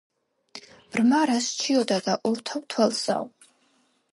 ბრმა რას სჩიოდა და _ ორთავ თვალსაო!